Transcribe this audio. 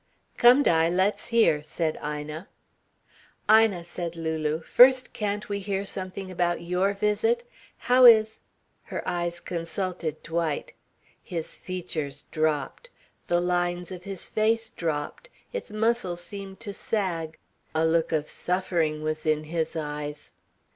"Come, Di, let's hear," said Ina. "Ina," said Lulu, "first can't we hear something about your visit? How is " Her eyes consulted Dwight. His features dropped, the lines of his face dropped, its muscles seemed to sag. A look of suffering was in his eyes.